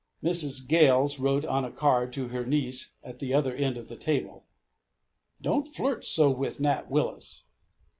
Mrs. Gales wrote on a card to her niece, at the other end of the table: "Don't flirt so with Nat Willis."